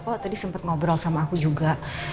kok tadi sempat ngobrol sama aku juga